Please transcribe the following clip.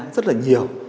rất là nhiều